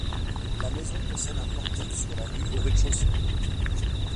La maison possède un portique sur la rue au rez-de-chaussée.